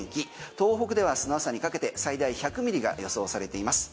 東北ではあすの朝にかけて最大１００ミリが予想されています。